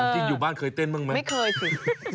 จริงอยู่บ้านเคยเต้นบ้างไหมไม่เคยถูก